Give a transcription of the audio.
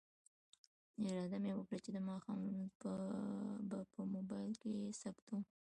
اراده مې وکړه چې د ماښام لمونځ به په موبایل کې ثبتوم.